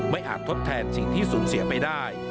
อาจทดแทนสิ่งที่สูญเสียไปได้